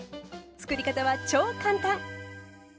つくり方は超簡単！